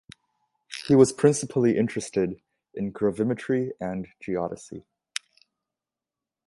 He was principally interested in gravimetry and geodesy.